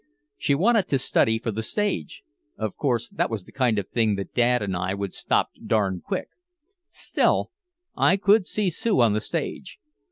She wanted to study for the stage! Of course that was the kind of thing that Dad and I would stop darned quick. Still I could see Sue on the stage.